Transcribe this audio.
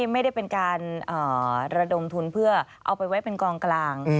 ไม่ได้เป็นการระดมทุนเพื่อเอาไปไว้เป็นกองกลาง